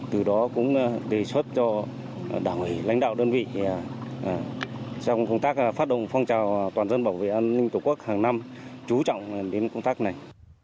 từ đó cũng đề xuất cho đảng ủy lãnh đạo đơn vị trong công tác phát động phong trào toàn dân bảo vệ an ninh tổ quốc hàng năm chú trọng đến công tác này